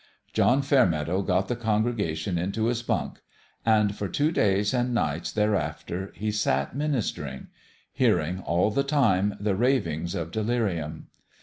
John Fairmeadow got the congregation into his bunk ; and for two days and nights thereafter he sat ministering hearing, all the time, the ravings of delirium.